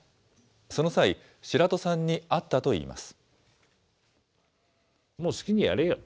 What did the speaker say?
その際、白土さんに会ったといいます。